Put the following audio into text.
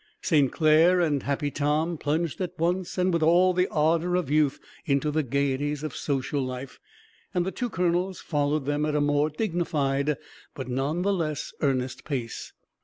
St. Clair and Happy Tom plunged at once and with all the ardor of youth into the gayeties of social life, and the two colonels followed them at a more dignified but none the less earnest pace.